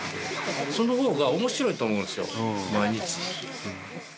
そのほうが面白いと思うんですよ毎日。